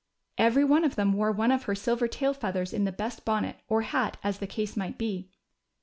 Every one of them wore one of her silver tail feathers in the best bonnet^ or hat, as the case might he.